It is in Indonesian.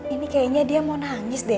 ini kayaknya dia mau nangis deh